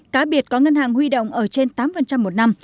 cá biệt có ngân hàng huy động ở trên tám một năm